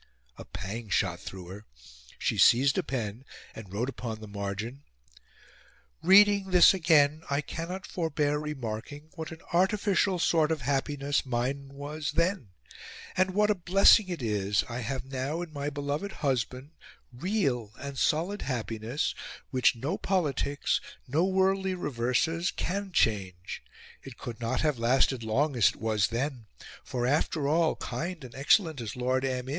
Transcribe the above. A pang shot through her she seized a pen, and wrote upon the margin "Reading this again, I cannot forbear remarking what an artificial sort of happiness MINE was THEN, and what a blessing it is I have now in my beloved Husband REAL and solid happiness, which no Politics, no worldly reverses CAN change; it could not have lasted long as it was then, for after all, kind and excellent as Lord M.